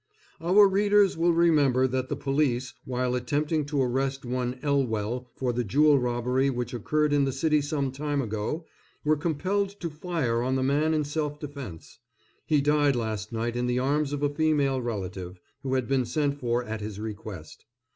"Our readers will remember that the police, while attempting to arrest one Ellwell for the jewel robbery which occurred in the city some time ago, were compelled to fire on the man in self defence. He died last night in the arms of a female relative, who had been sent for at his request.